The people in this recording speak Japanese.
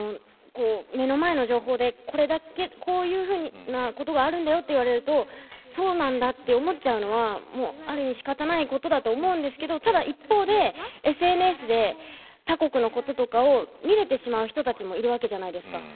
目の前の情報でこういうことがあるんだよと言われるとそうなんだと思ってしまうのはある意味仕方がないことだと思うんですけどただ一方でＳＮＳで他国のこととかを見れてしまう人たちもいるじゃないですか。